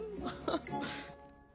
ハハハ。